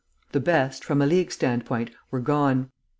The best, from a League stand point, were gone.